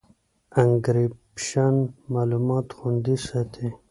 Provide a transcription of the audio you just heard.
انکریپشن معلومات خوندي ساتي.